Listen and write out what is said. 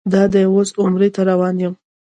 دادی اوس عمرې ته روان یم.